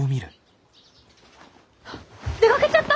あっ出かけちゃった！？